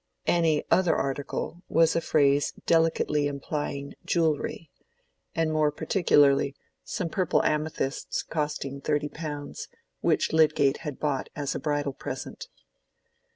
"Any other article" was a phrase delicately implying jewellery, and more particularly some purple amethysts costing thirty pounds, which Lydgate had bought as a bridal present.